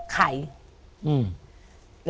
ใคร